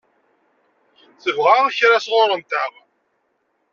Tebɣa kra sɣur-nteɣ?